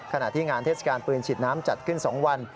ขณะที่งานเทศกาลปืนฉีดน้ำจัดขึ้น๒วัน